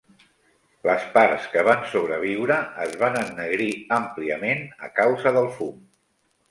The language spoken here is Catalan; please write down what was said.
Les parts que van sobreviure es van ennegrir àmpliament a causa del fum.